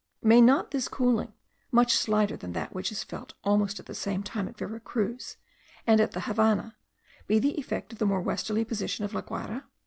May not this cooling, much slighter than that which is felt almost at the same time at Vera Cruz and at the Havannah, be the effect of the more westerly position of La Guayra?